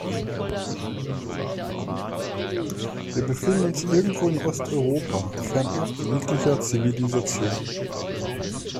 Wir befinden uns irgendwo in Osteuropa, fernab jeglicher Zivilisation.